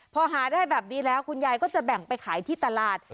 พอหาได้แบบนี้แล้วคุณยายก็จะแบ่งไปขายที่ตลาด